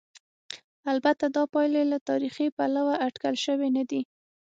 البته دا پایلې له تاریخي پلوه اټکل شوې نه دي.